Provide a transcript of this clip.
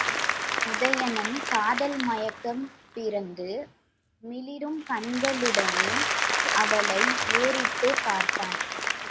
உதயணன் காதல் மயக்கம் பிறந்து மிளிரும் கண்களுடனே அவளை ஏறிட்டுப் பார்த்தான்.